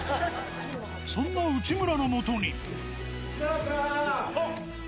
そんな内村のもとに。